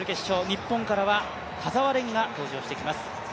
日本からは田澤廉が登場してきます。